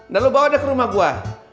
nah lu bawa deh ke rumah gua